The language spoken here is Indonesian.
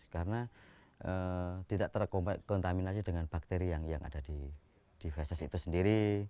karena tidak terkontaminasi dengan bakteri yang ada di vases itu sendiri